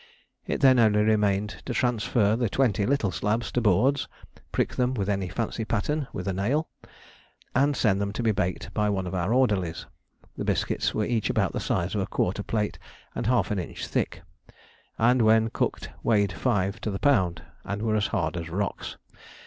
It then only remained to transfer the twenty little slabs to boards, prick them with any fancy pattern with a nail, and send them to be baked by one of our orderlies. The biscuits were each about the size of a quarter plate and half an inch thick, and when cooked weighed five to the pound, and were as hard as rocks.